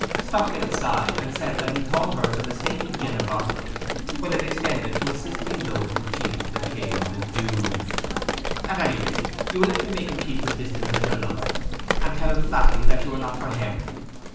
Stockdale sighed, and said that he thought hers a mistaken generosity when it extended to assisting those who cheated the king of his dues. 'At any rate, you will let me make him keep his distance as your lover, and tell him flatly that you are not for him?